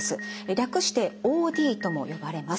略してＯＤとも呼ばれます。